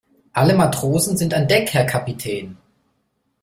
Alle Matrosen sind an Deck, Herr Kapitän.